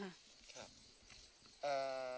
ครับเอ่อ